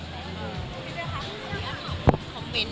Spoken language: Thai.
อ๋อพี่เวียร์ค่ะ